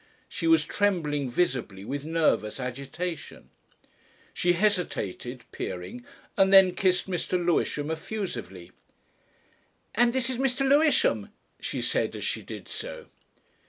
She was trembling visibly with nervous agitation. She hesitated, peering, and then kissed Mr. Lewisham effusively. "And this is Mr. Lewisham!" she said as she did so.